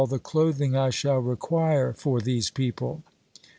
k the clothing I shall require for these people."